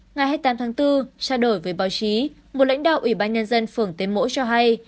ngày hai mươi tám tháng bốn xa đổi với báo chí một lãnh đạo ủy ban nhân dân phưởng tế mỗ cho hay